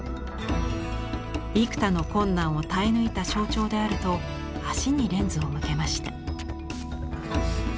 幾多の困難を耐え抜いた象徴であると足にレンズを向けました。